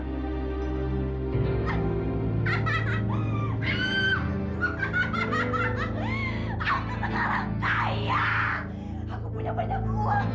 aku sekarang kaya aku punya banyak uang